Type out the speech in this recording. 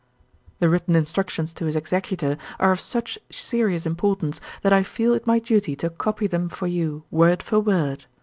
"The written instructions to his executor are of such serious importance that I feel it my duty to copy them for you, word for word.